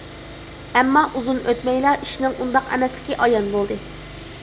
ئەمما ئۇزۇن ئۆتمەيلا ئىشنىڭ ئۇنداق ئەمەسلىكى ئايان بولدى.